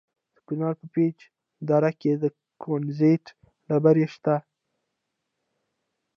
د کونړ په پيچ دره کې د کونزیټ ډبرې شته.